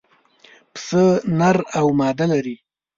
پسه نر او ماده لري.